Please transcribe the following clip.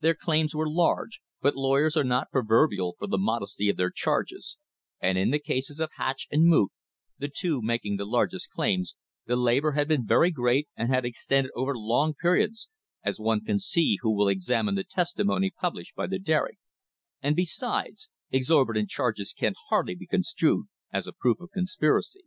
Their claims were large, but lawyers are not proverbial for the modesty of their charges, and in the cases of Hatch and Moot, the two making the largest claims, the labour had been very great and had extended over long periods, as one can see who will examine the testimony pub lished by the Derrick; and besides, exorbitant charges can hardly be construed as a proof of conspiracy.